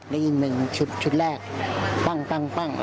ได้ยินหนึ่งชุดแรกปั้ง